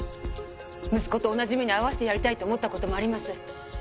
息子と同じ目に遭わせてやりたいと思った事もあります。